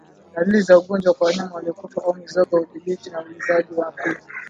dalili za ugonjwa kwa wanyama waliokufa au mizoga udhibiti na uzuiaji au kinga